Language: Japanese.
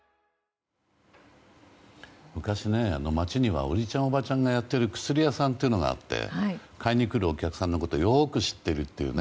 昔、街にはおじちゃんおばちゃんがやってる薬屋さんというのがあって買いに来るお客さんのことよく知っているという。